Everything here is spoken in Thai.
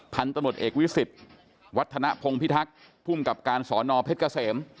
ทันตะโมดเอกวิสิตวัฒนภงพิทักษ์พุ่มกับการสอนอเพชรเกษม